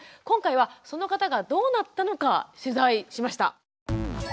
今回はその方がどうなったのか取材しました。